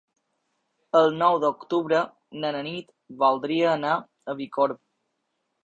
El nou d'octubre na Nit voldria anar a Bicorb.